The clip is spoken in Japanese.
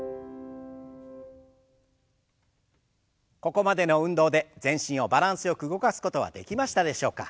ここまでの運動で全身をバランスよく動かすことはできましたでしょうか。